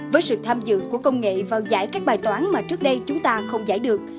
với sự tham dự của công nghệ vào giải các bài toán mà trước đây chúng ta không giải được